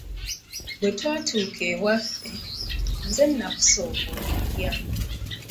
Bwe tunaatuuka ewaffe, nze naakusooka okulya.